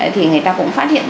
thì người ta cũng phát hiện